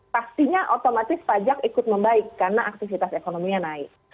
pastinya otomatis pajak ikut membaik karena aktivitas ekonominya naik